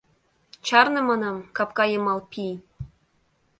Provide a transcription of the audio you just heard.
— Чарне, манам, капка йымал пий!